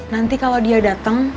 nanti kalau dia dateng